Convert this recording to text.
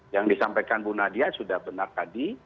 yang disampaikan bu nadia sudah benar tadi